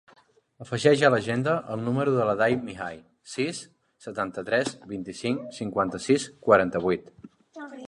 Afegeix a l'agenda el número de l'Aday Mihai: sis, setanta-tres, vint-i-cinc, cinquanta-sis, quaranta-vuit.